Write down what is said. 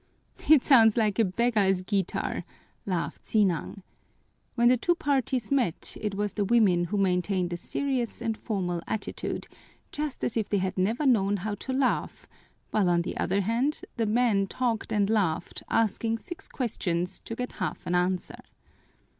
"It sounds like a beggar's guitar," laughed Sinang. When the two parties met it was the women who maintained a serious and formal attitude, just as if they had never known how to laugh, while on the other hand the men talked and laughed, asking six questions to get half an answer.